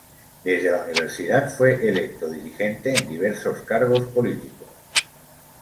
Desde la Universidad fue electo dirigente en diversos cargos políticos.